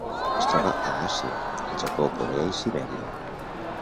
Es troba a Àsia: el Japó, Corea i Sibèria.